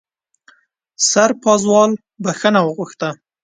سرپازوال بښنه وغوښته.